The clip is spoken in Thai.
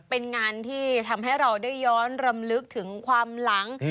เป็นงานที่ทำให้เราได้ย้อนรำลึกถึงความหลัง